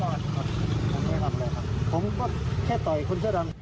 โอเคครับผมก็แค่ต่อยคนช่วยดำ